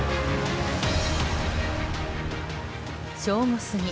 正午過ぎ